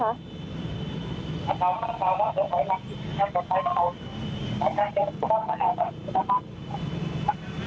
ใช่